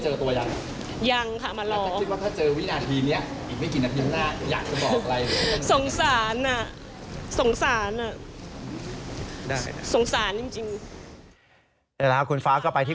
หลังจากที่น้องสองคนผลุคว่าคุณตัวได้เจอตัวยัง